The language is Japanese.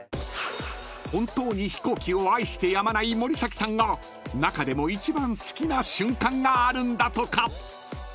［本当に飛行機を愛してやまない森崎さんが中でも一番好きな瞬間があるんだとか］